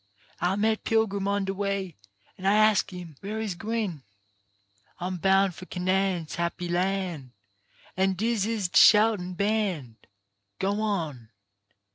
I met a pilgrim on de way, an' I ask him where he's gwine. "I'm bound for Canaan's happy Ian', An' dis is de shoutin' band. Go on.